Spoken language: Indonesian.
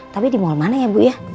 tapi di mall mana ya bu